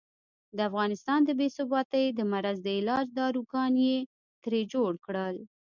د افغانستان د بې ثباتۍ د مرض د علاج داروګان یې ترې جوړ کړل.